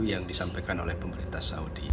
yang disampaikan oleh pemerintah saudi